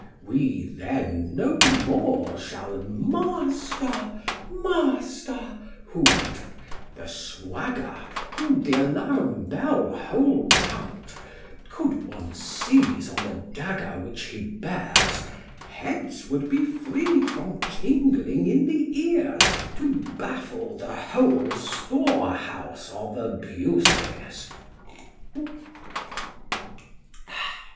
We then no more shall Master, master, whoot, The swagger, who th' alarum bell holds out; Could one seize on the dagger which he bears, Heads would be free from tingling in the ears, To baffle the whole storehouse of abuses.